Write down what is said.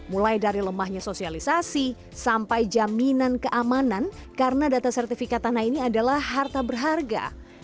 mulai dari lemahnya sosialisasi sampai jaminan keamanan karena data sertifikat tanah ini adalah harta berharga